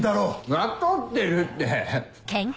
分かってるって！